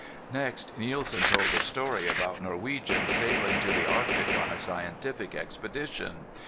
Next Nielsen told a story about Norwegians sailing to the Arctic on a scientific expedition.